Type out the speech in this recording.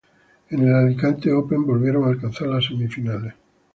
En el Alicante Open volvieron a alcanzar las semifinales.